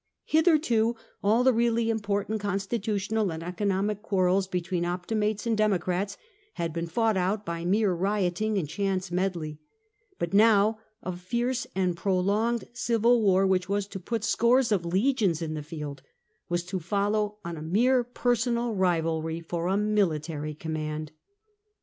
Hitherto all the really important constitutional and economic quarrels between Optimates and Democrats had been fought out by mere rioting and chance medley ; but now a fierce and prolonged civil war, which was to put scores of legions in the field, was to follow on a mere per sonal rivalry for a military command.